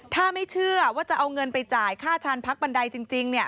ถ้าไม่เชื่อว่าจะเอาเงินไปจ่ายค่าชานพักบันไดจริง